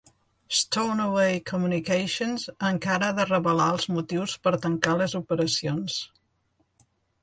Stornoway Communications encara ha de revelar els motius per tancar les operacions.